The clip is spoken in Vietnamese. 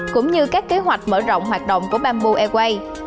cũng như các kế hoạch mở rộng hoạt động của bamboo airways